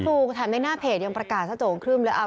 ถูกถ่ายในหน้าเพจยังประกาศซะโจ๋งครึ่มเลย